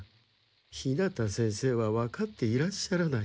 日向先生はわかっていらっしゃらない。